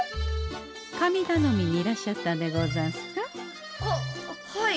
神だのみにいらっしゃったんでござんすか？ははい。